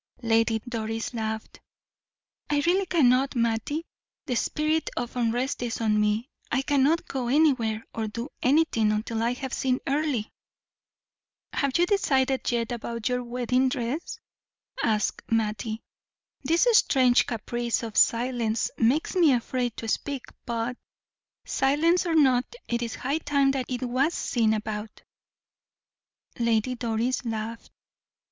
Lady Doris laughed. "I really cannot, Mattie. The spirit of unrest is on me, I cannot go anywhere or do anything until I have seen Earle." "Have you decided yet about your wedding dress?" asked Mattie. "This strange caprice of silence makes me afraid to speak; but, silence or not, it is high time that it was seen about." Lady Doris laughed.